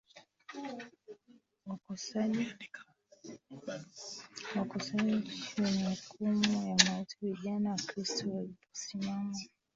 wakosaji wenye hukumu ya mauti Vijana Wakristo waliposimama